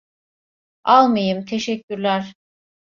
Almayayım, teşekkürler.